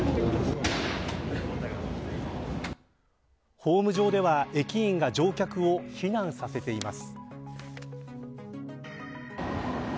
ホーム上では駅員が乗客を避難させています。